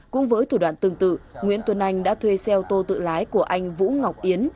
cũng với thủ đoạn tương tự nguyễn tuấn anh đã thuê xe ô tô tự lái của anh vũ ngọc yến